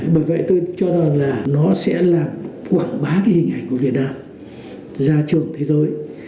bởi vậy tôi cho rằng là nó sẽ là quảng bá cái hình ảnh của việt nam ra trường thế giới